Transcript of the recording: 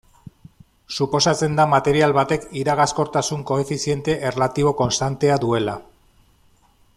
Suposatzen da material batek iragazkortasun koefiziente erlatibo konstantea duela.